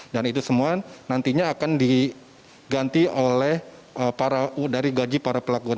dan itu semua nantinya akan diganti oleh dari gaji para pelakuan